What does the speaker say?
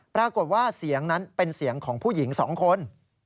ปรากฏว่าเสียงนั้นเป็นเสียงของผู้หญิง๒คน